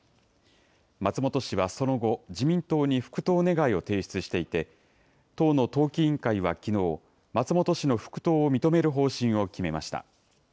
松本氏はその後、自民党に復党願を提出していて、党の党紀委員会はきのう、松本氏の復党を認める方針を決めました。